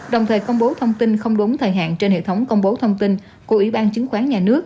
đồng thời công bố thông tin không đúng thời hạn trên hệ thống công bố thông tin của ủy ban chứng khoán nhà nước